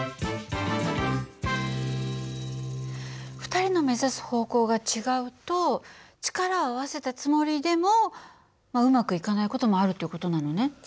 ２人の目指す方向が違うと力を合わせたつもりでもうまくいかない事もあるっていう事なのね。